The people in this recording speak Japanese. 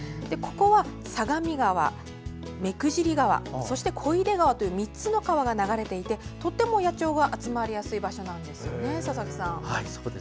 ここは相模川、目久尻川、小出川という３つの川が流れていてとても野鳥が集まりやすい場所なんですよね、佐々木さん。